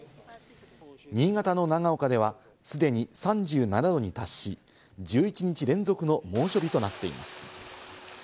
新潟の長岡ではすでに３７度に達し、１１日連続の猛暑日となっています。